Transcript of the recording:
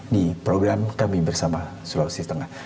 di program kami bersama sulawesi tengah